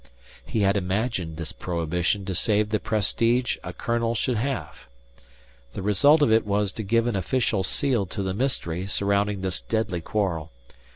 He had imagined this prohibition to save the prestige a colonel should have. The result of it was to give an official seal to the mystery surrounding this deadly quarrel.